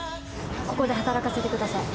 ここで働かせてください。